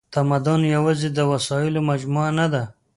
تمدن یواځې د وسایلو مجموعه نهده.